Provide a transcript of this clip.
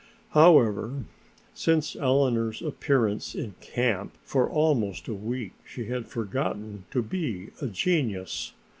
However, since Eleanor's appearance in camp for almost a week she had forgotten to be a genius.